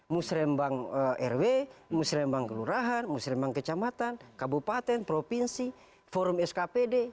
musrembang rw musrembang kelurahan musrembang kecamatan kabupaten provinsi forum skpd